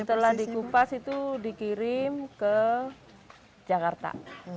setelah dikupas itu dikirim ke jakarta